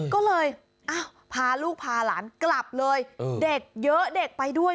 ก็เลยพาลูกพาหลานกลับเลยเด็กเยอะเด็กไปด้วย